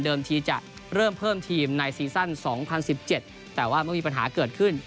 ทีจะเริ่มเพิ่มทีมในซีซั่น๒๐๑๗แต่ว่าเมื่อมีปัญหาเกิดขึ้น